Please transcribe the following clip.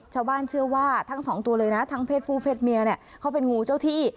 ชาวบ้านเชื่อว่าทั้งสองตัวเลยนะทั้งเพศผู้เพศเมียเนี่ยเขาเป็นงูเจ้าที่